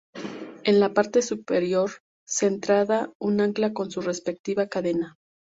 En la parte superior, centrada, un ancla con su respectiva cadena.